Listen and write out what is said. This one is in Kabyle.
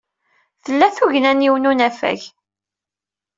Tla tugna n yiwen n unafag.